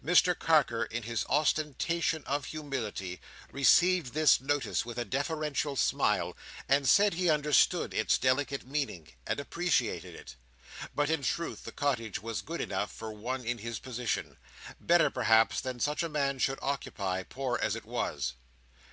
Mr Carker, in his ostentation of humility, received this notice with a deferential smile, and said he understood its delicate meaning, and appreciated it, but in truth the cottage was good enough for one in his position—better, perhaps, than such a man should occupy, poor as it was.